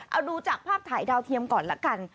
เอาดูจากภาพถ่ายดาวเทียมก่อนละกัน